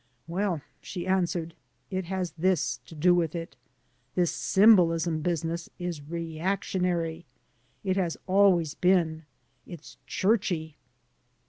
"Well," she answered, "it has this to do with it. This symbolism business is reactionary. It has always been. It's churchy."